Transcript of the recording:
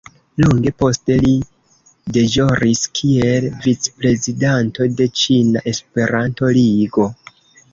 Longe poste li deĵoris kiel vicprezidanto de Ĉina Esperanto-Ligo.